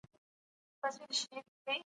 د ارغنداب سیند د خلکو د ژوند ستونزې حل کوي.